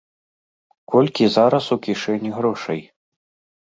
Колькі зараз у кішэні грошай?